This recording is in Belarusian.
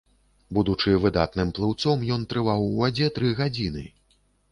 Будучы выдатным плыўцом, ён трываў у вадзе тры гадзіны.